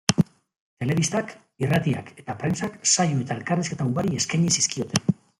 Telebistak, irratiak eta prentsak saio eta elkarrizketa ugari eskaini zizkioten.